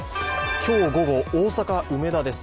今日午後、大阪・梅田です。